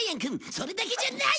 それだけじゃない！